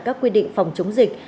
các quy định phòng chống dịch